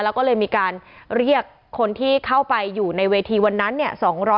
แล้วก็เลยมีการเรียกคนที่เข้าไปอยู่ในเวทีวันนั้นเนี่ย